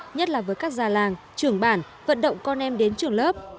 nhất là với các gia làng trường bản vận động con em đến trường lớp